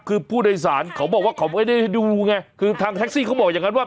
คือผู้โดยสารเขาบอกว่าเขาไม่ได้ดูไงคือทางแท็กซี่เขาบอกอย่างนั้นว่า